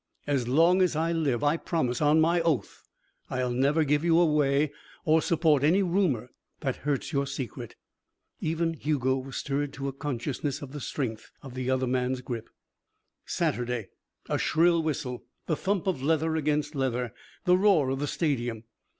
As long as I live, I promise on my oath I'll never give you away or support any rumour that hurts your secret." Even Hugo was stirred to a consciousness of the strength of the other man's grip. Saturday. A shrill whistle. The thump of leather against leather. The roar of the stadium.